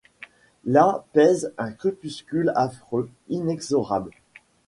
Là, pèse un crépuscule affreux, inexorable.